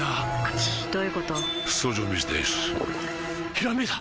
ひらめいた！